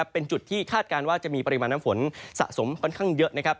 เป็นจุดที่คาดการณ์ว่าจะมีปริมาณน้ำฝนสะสมค่อนข้างเยอะนะครับ